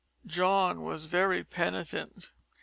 John was very penitent.